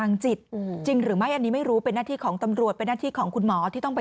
ฟังเสียงคุณแม่และก็น้องที่เสียชีวิตค่ะ